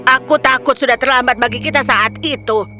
aku takut sudah terlambat bagi kita saat itu